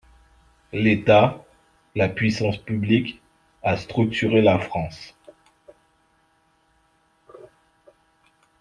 L’État – la puissance publique – a structuré la France.